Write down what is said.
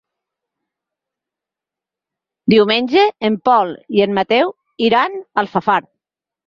Diumenge en Pol i en Mateu iran a Alfafar.